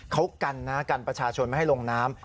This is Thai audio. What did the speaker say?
เขากันนะกันประชาชนไม่ให้ลงน้ำ